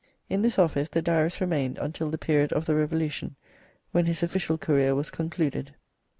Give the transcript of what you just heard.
In this office the Diarist remained until the period of the Revolution, when his official career was concluded.